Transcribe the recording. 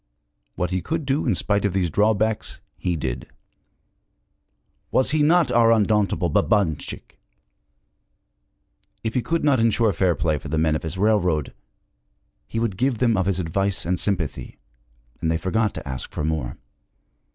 What he could do in spite of these drawbacks, he did. Was he not our undauntable Babanchik? If he could not insure fair play for the men of his railroad, he could give them of his advice and sympathy, and they forgot to ask for more.